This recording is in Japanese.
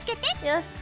よし！